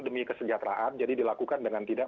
demi kesejahteraan jadi dilakukan dengan tidak